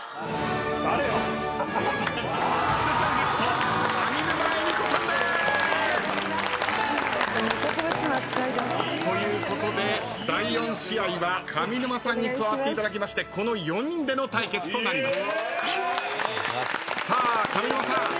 ゲスト上沼恵美子さんです！ということで第４試合は上沼さんに加わっていただきこの４人での対決となります。